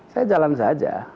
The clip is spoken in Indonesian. saya jalan saja